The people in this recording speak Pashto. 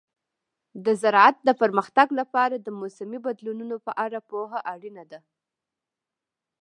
د زراعت پرمختګ لپاره د موسمي بدلونونو په اړه پوهه اړینه ده.